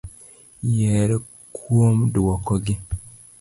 Yier kuom duoko gi.